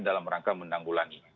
dalam rangka menanggulani